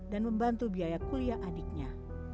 dan membantu biaya kuliah adiknya